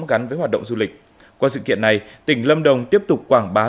gắn với hoạt động du lịch qua sự kiện này tỉnh lâm đồng tiếp tục quảng bá